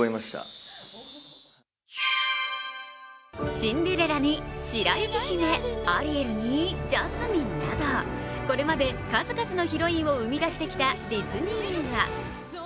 シンデレラに白雪姫、アリエルにジャスミンなど、これまで数々のヒロインを生み出してきたディズニー映画。